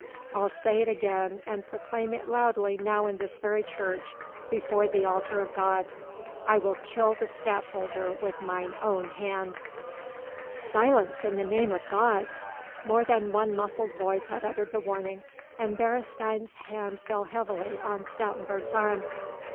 I'll say it again, and proclaim it loudly now in this very church before the altar of God: I will kill the Stadtholder with mine own hand!" "Silence in the name of God!" More than one muffled voice had uttered the warning and Beresteyn's hand fell heavily on Stoutenburg's arm.